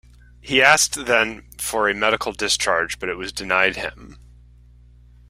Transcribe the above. He asked then for a medical discharge, but it was denied him.